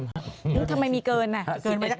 นึงทำไมมีเกินอ่ะเกินไปได้ไหม